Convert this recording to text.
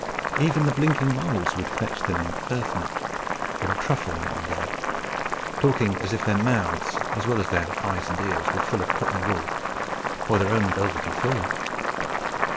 Even the blinking moles would fetch them an earth nut or a truffle now and then, talking as if their mouths, as well as their eyes and ears, were full of cotton wool, or their own velvety fur.